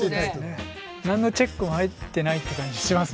何のチェックも入ってないって感じしますよね。